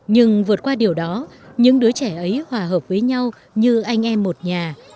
nhưng vượt qua điều đó những đứa trẻ ấy hòa hợp với nhau như anh em một nhà